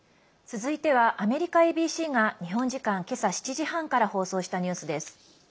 続いては、アメリカＡＢＣが日本時間けさ７時半から放送したニュースです。